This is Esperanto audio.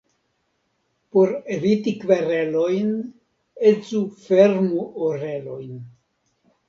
Por eviti kverelojn, edzo fermu orelojn.